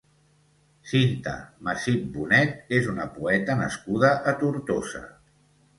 Cinta Massip Bonet és una poeta nascuda a Tortosa.